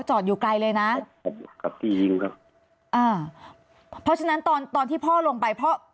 อยู่ไกลเลยนะครับกับที่ยิงครับอ่าเพราะฉะนั้นตอนตอนที่พ่อลงไปพ่อ